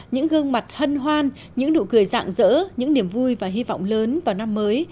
những gương mặt hân hoan những nụ cười dạng dỡ những niềm vui và hy vọng lớn vào năm mới